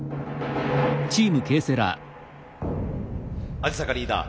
鯵坂リーダー